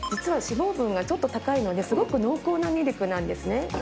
脂肪分ちょっと高いのですごく濃厚なミルクなんですね。